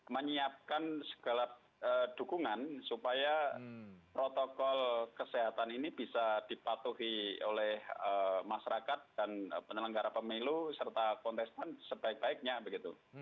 menyiapkan segala dukungan supaya protokol kesehatan ini bisa dipatuhi oleh masyarakat dan penyelenggara pemilu serta kontestan sebaik baiknya begitu